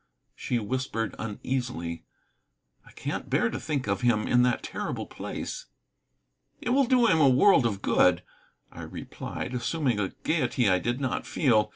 she whispered uneasily. "I can't bear to think of him in that terrible place." "It will do him a world of good," I replied, assuming a gayety I did not feel.